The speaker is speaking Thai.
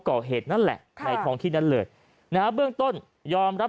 ก่อเหตุนั่นแหละในท้องที่นั้นเลยนะฮะเบื้องต้นยอมรับ